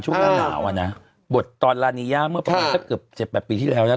หนาวอ่ะนะบทตอนลานีย่าเมื่อประมาณสักเกือบ๗๘ปีที่แล้วนะ